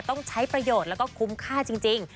ต้องใช้ประโยชน์แล้วก็คุ้มค่าจริง